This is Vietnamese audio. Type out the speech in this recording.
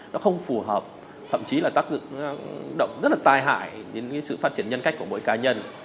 nó không phù hợp thậm chí là tác động rất là tai hại đến sự phát triển nhân cách của mỗi cá nhân